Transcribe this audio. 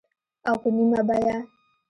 او په نیمه بیه